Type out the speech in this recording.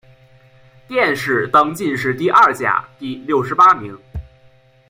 殿试登进士第二甲第六十八名。